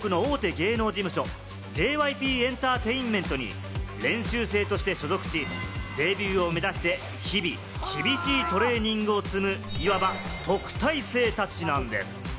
芸能事務所・ＪＹＰエンターテインメントに練習生として所属し、デビューを目指して日々厳しいトレーニングを積む、いわば特待生たちなんです。